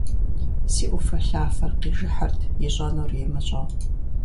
Си Ӏуфэлъафэр къижыхьырт, ищӀэнур имыщӀэу.